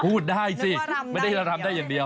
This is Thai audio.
พูดได้สิไม่ได้จะทำได้อย่างเดียว